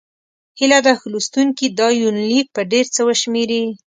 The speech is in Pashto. هيله ده لوستونکي دا یونلیک په ډېر څه وشمېري.